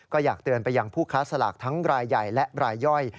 ก็อยากเตือนไปยังผู้ค้าสลากทั้งรายใหญ่และรายย่อย